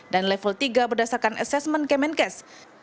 dan level tiga berdasarkan asesmen kemenkes